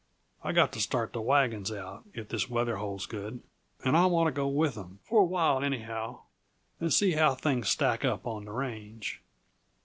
I've got to start the wagons out, if this weather holds good, and I want to go with 'em for a while, anyhow and see how things stack up on the range.